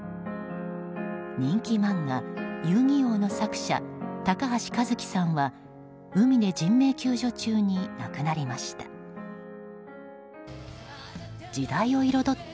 人気漫画「遊☆戯☆王」の作者高橋和希さんは海で人命救助中に亡くなりました。